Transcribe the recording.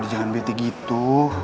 udah jangan bete gitu